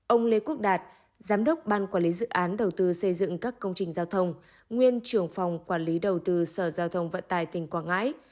ông lê quốc đạt giám đốc ban quản lý dự án đầu tư xây dựng các công trình giao thông nguyên trưởng phòng quản lý đầu tư sở giao thông vận tài tỉnh quảng ngãi